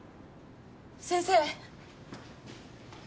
先生！